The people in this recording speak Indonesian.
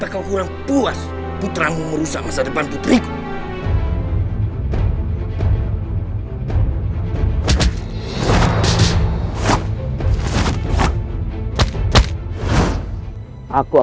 kau kurang puas putramu merusak masa depan putriku